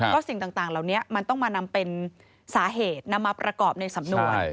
ก็สิ่งต่างเหล่านี้มันต้องมานำเป็นสาเหตุนำมาประกอบในสำนวน